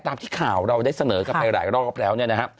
ตามที่ข่าวเราได้เสนอกันไปหลายรอบแล้ว